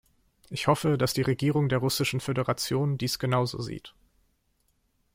Ich hoffe, dass die Regierung der Russischen Förderation dies genauso sieht.